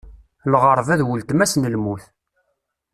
Lɣeṛba d ultma-s n lmut.